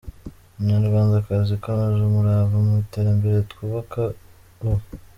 “Munyarwandakazi, komeza umurava mu iterambere twubake u